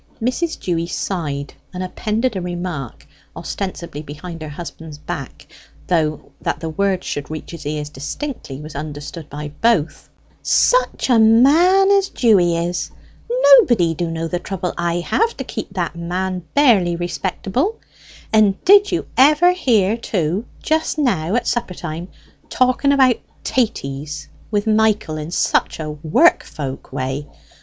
Mrs. Dewy sighed, and appended a remark (ostensibly behind her husband's back, though that the words should reach his ears distinctly was understood by both): "Such a man as Dewy is! Nobody do know the trouble I have to keep that man barely respectable. And did you ever hear too just now at supper time talking about 'taties' with Michael in such a work folk way.